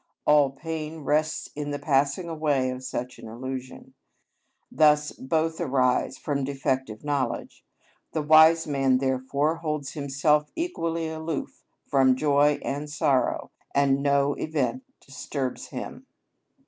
All pain rests on the passing away of such an illusion; thus both arise from defective knowledge; the wise man therefore holds himself equally aloof from joy and sorrow, and no event disturbs his αταραξια.